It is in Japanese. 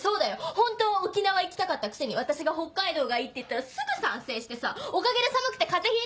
本当は沖縄行きたかったくせに私が北海道がいいって言ったらすぐ賛成してさおかげで寒くて風邪ひいたじゃん！